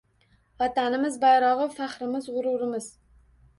Vatanimiz bayrog‘i – faxrimiz, g‘ururimiz